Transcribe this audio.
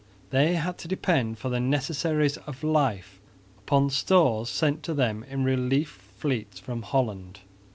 They had to depend for the necessaries of life upon stores sent to them in relief fleets from Holland.